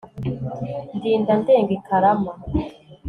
ndinda ndenga i karama